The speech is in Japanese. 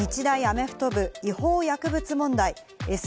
日大アメフト部、違法薬物問題。